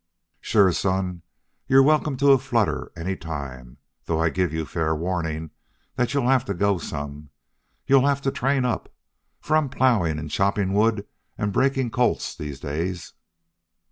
"Sure, son. You're welcome to a flutter any time. Though I give you fair warning that you'll have to go some. You'll have to train up, for I'm ploughing and chopping wood and breaking colts these days."